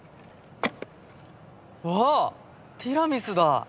わあっティラミスだ。！